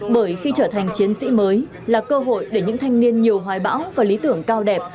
bởi khi trở thành chiến sĩ mới là cơ hội để những thanh niên nhiều hoài bão và lý tưởng cao đẹp